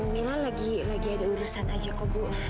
mila lagi ada urusan aja ke bu